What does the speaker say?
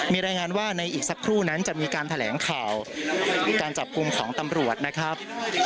มีรายงานว่าในอีกสักครู่นั้นจะมีการแถลงข่าวการจับกลุ่มของตำรวจนะครับ